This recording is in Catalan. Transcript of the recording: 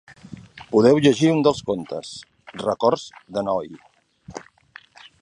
Podeu llegir un dels contes, ‘Records de noi’.